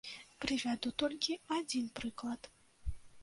Прывяду толькі адзін прыклад.